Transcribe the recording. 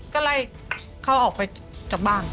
ก็ไล่เขาออกไปจากบ้าน